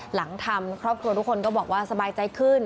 หลังทำครอบครัวทุกคนก็บอกว่าสบายใจขึ้น